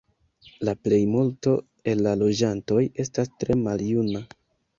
La plejmulto el la loĝantoj estas tre maljuna.